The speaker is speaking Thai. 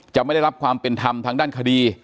ไม่ได้รับความเป็นธรรมทางด้านคดี